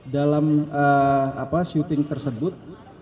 dalam shooting tersebut